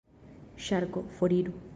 Ŝarko: "Foriru."